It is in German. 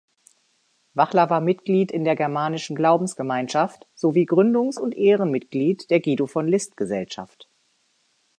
Wachler war Mitglied in der Germanischen Glaubens-Gemeinschaft sowie Gründungs- und Ehrenmitglied der Guido-von-List-Gesellschaft.